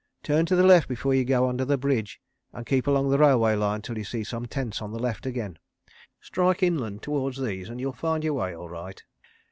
Turn to the left before you go under the bridge, and keep along the railway line till you see some tents on the left again. Strike inland towards these, and you'll find your way all right.